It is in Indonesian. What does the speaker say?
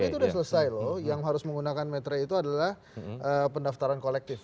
itu sudah selesai loh yang harus menggunakan metre itu adalah pendaftaran kolektif